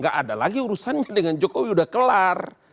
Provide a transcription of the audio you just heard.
gak ada lagi urusannya dengan jokowi udah kelar